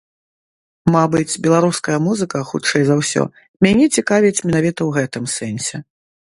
Мабыць, беларуская музыка, хутчэй за ўсё, мяне цікавіць менавіта ў гэтым сэнсе.